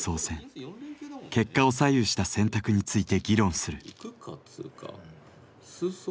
結果を左右した「選択」について議論する。